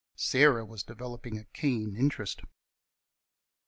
Sarah was developing a keen interest.